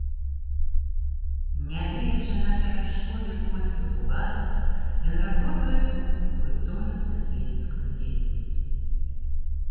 Нягледзячы на перашкоды польскіх уладаў, ён разгортвае тут культурна-асветніцкую дзейнасць.